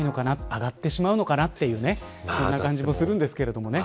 上がってしまうのかな、という感じもするんですけどね。